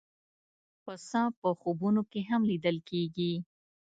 پسه په خوبونو کې هم لیدل کېږي.